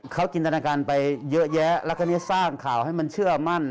เขาจินตนาการไปเยอะแยะแล้วก็นี้สร้างข่าวให้มันเชื่อมั่น